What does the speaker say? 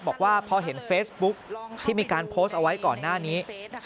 บอกว่าพอเห็นเฟซบุ๊กที่มีการโพสต์เอาไว้ก่อนหน้านี้